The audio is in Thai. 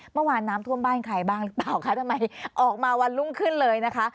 เมื่อวานน้ำท่วมบ้านใครบ้างหรือเปล่าคะทำไมออกมาวันรุ่งขึ้นเลยนะคะ